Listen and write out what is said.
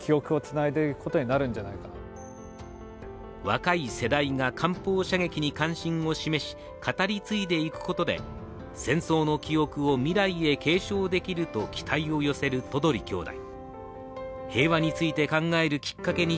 若い世代が艦砲射撃に関心を示し、語り継いでいくことで、戦争の記憶を未来へ継承できると期待を寄せる都鳥兄弟。